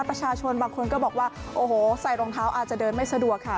ประชาชนบางคนก็บอกว่าโอ้โหใส่รองเท้าอาจจะเดินไม่สะดวกค่ะ